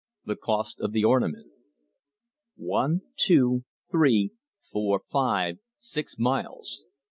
THE COST OF THE ORNAMENT One, two, three, four, five, six miles.